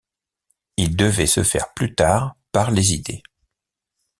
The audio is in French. Il devait se faire plus tard par les idées.